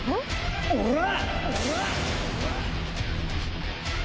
うわ！